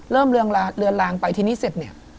เริ่มเรือนลางไปทีนี้เสร็จ